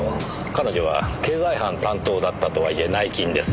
彼女は経済犯担当だったとはいえ内勤です。